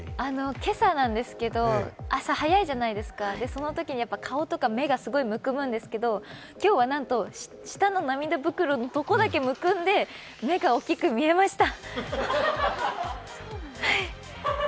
今朝なんですけど朝早いじゃないですか、そのときに顔とか目がすごくむくむんですけれども、今日はなんと、下の涙袋のところだけむくんで目が大きく見えました。